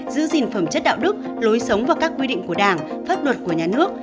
giữ gìn phẩm chất đạo đức lối sống và các quy định của đảng pháp luật của nhà nước